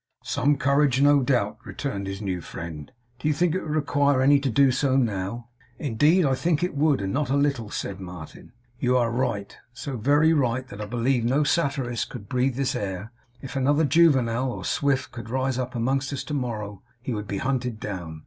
'Some courage, no doubt,' returned his new friend. 'Do you think it would require any to do so, now?' 'Indeed I think it would; and not a little,' said Martin. 'You are right. So very right, that I believe no satirist could breathe this air. If another Juvenal or Swift could rise up among us to morrow, he would be hunted down.